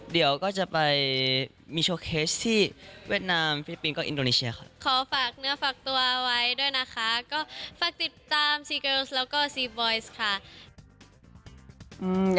เดี๋ยวก็จะไปมีโชว์เคสที่เวียดนามฟิลิปปินส์ก็อินโดนิเชียค่ะ